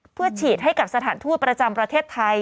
เพื่อฉีดให้กับสถานทูตประจำประเทศไทย